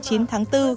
tại hoàng hồ